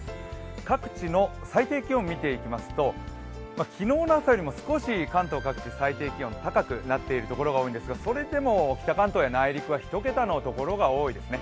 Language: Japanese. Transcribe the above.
各地の最低気温を見ていきますと昨日の朝よりも少し関東各地最低気温が下がっているところが多いですが、それでも北関東や内陸は１桁台のところが多いですね。